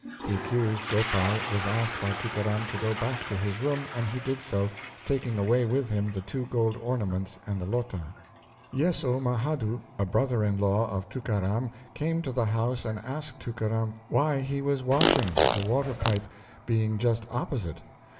The accused Gopal was asked by Tookaram to go back to his room, and he did so, taking away with him the two gold ornaments and the 'lota'. Yesso Mahadhoo, a brother in law of Tookaram, came to the house and asked Tookaram why he was washing, the water pipe being just opposite.